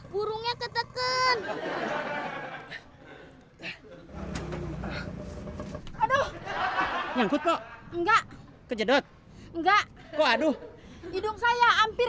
burungnya keteken aduh nyangkut kok enggak kejedot enggak kok aduh hidung saya hampir